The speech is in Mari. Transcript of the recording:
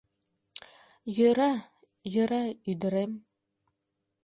— Йӧра, йӧра, ӱдырем.